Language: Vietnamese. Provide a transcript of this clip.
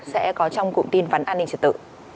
sẽ có trong cụm tin vấn an ninh trật tự